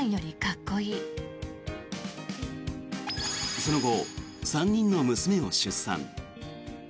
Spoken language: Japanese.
その後、３人の娘を出産。